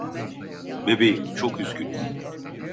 Bebeğim, çok üzgünüm.